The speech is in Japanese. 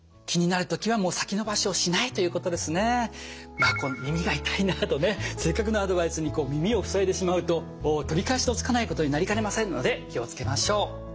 まあ耳が痛いなとねせっかくのアドバイスに耳を塞いでしまうと取り返しのつかないことになりかねませんので気を付けましょう。